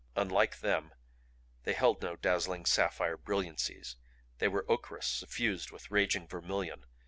Unlike them they held no dazzling sapphire brilliancies; they were ochreous, suffused with raging vermilion.